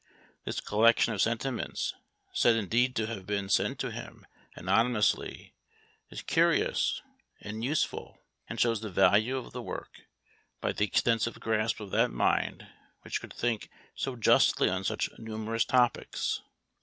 This collection of sentiments, said indeed to have been sent to him anonymously, is curious and useful, and shows the value of the work, by the extensive grasp of that mind which could think so justly on such numerous topics.